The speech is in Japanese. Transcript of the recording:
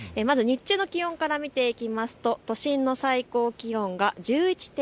日中の気温から見ていきますと、都心の最高気温が１１．６度。